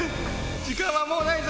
時間はもうないぞ。